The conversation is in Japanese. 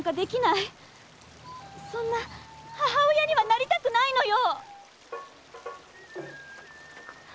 そんな母親にはなりたくないのよ！